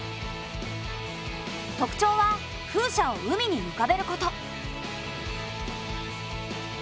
特徴は風車を海にうかべること。